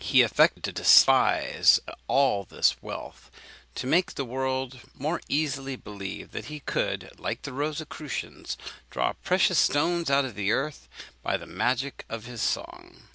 He affected to despise all this wealth, to make the world more easily believe that he could, like the Rosicrucians, draw precious stones out of the earth by the magic of his song.